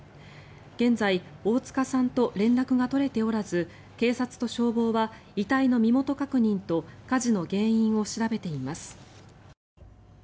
現在大塚さんと連絡が取れておらず警察と消防は遺体の身元確認と火事の原因を調べています。